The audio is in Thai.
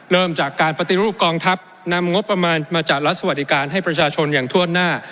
เริ่มจากการปฏิรูปกองทัพนำงบประมาณมาจัดรัฐสวัสดิการให้ประชาชนอย่างทั่วหน้า